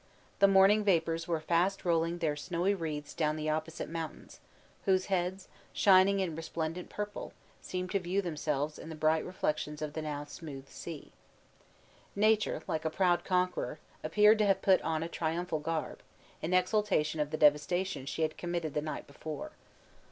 The morning vapors were fast rolling their snowy wreaths down the opposite mountains, whose heads, shining in resplendent purple, seemed to view themselves in the bright reflections of the now smooth sea. Nature, like a proud conqueror, appeared to have put on a triumphal garb, in exultation of the devastation she had committed the night before.